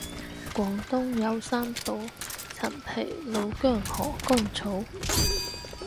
廣東有三寶陳皮老薑禾桿草